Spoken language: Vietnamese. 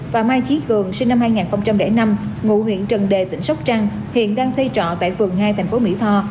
và mai chí cường sinh năm hai nghìn năm ngụ huyện trần đề tỉnh sóc trăng hiện đang thuê trọ tại phường hai thành phố mỹ tho